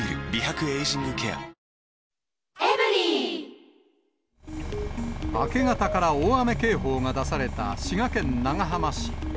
新「ＥＬＩＸＩＲ」明け方から大雨警報が出された滋賀県長浜市。